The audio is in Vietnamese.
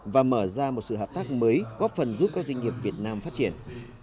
và mở ra một sự hợp tác mới góp phần giúp các doanh nghiệp việt nam phát triển